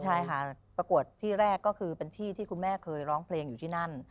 ใช่ค่ะประกวดที่แรกก็คือเป็นที่ที่คุณแม่เคยร้องเพลงอยู่ที่นั่น